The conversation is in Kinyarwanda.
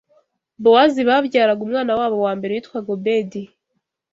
Bowazi babyaraga umwana wabo wa mbere, witwaga Obedi.